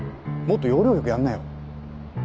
もっと要領よくやんなよ。